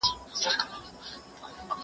دا خبري له هغو روښانه دي؟